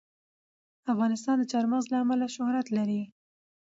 افغانستان د چار مغز له امله شهرت لري.